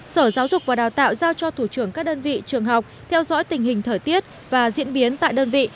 sở giáo dục và đào tạo giao cho thủ trưởng các đơn vị trường học theo dõi tình hình thời tiết và diễn biến tại đơn vị